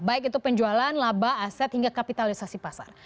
baik itu penjualan laba aset hingga kapitalisasi pasar